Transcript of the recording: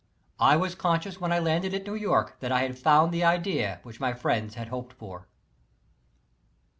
I was conscious when I landed at New York that I had found the idea which my friends had hoped for.